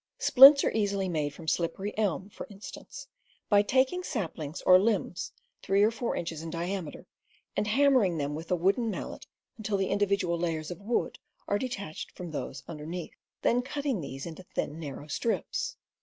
Splints are easily made from slippery elm, for in stance, by taking saplings or limbs three or four inches in diameter, and hammering them with ^* a wooden mallet until the individual layers of wood are detached from those underneath, then cutting these into thin, narrow strips.